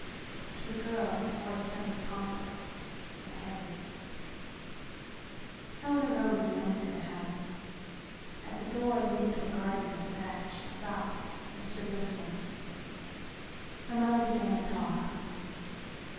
To the girl his voice sounded pompous and heavy. Helen arose and went into the house. At the door leading to a garden at the back she stopped and stood listening. Her mother began to talk.